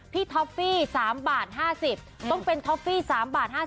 ท็อฟฟี่๓บาท๕๐ต้องเป็นท็อฟฟี่๓บาท๕๐